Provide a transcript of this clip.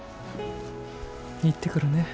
行ってくるね。